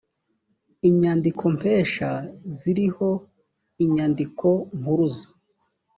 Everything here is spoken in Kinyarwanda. inyandikompesha ziriho inyandikompuruza